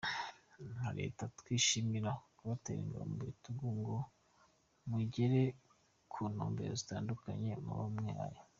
Nka Leta twishimira kubatera ingabo mu bitugu ngo mugere ku ntumbero zitandukanye muba mwihaye”.